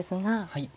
はい。